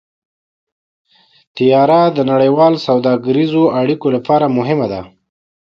طیاره د نړیوالو سوداګریزو اړیکو لپاره مهمه ده.